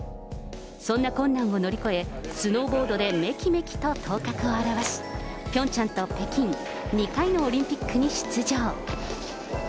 そんな困難を乗り越え、スノーボードでめきめきと頭角を現し、ピョンチャンと北京、２回のオリンピックに出場。